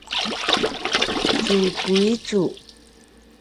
cukui cu